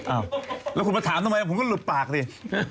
อ้าวแล้วคุณมาถามทำไมผมก็หลุดปากสิ